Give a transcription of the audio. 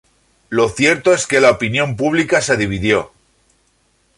Lo cierto es que la opinión pública se dividió.